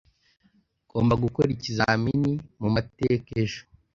Ngomba gukora ikizamini mumateka ejo.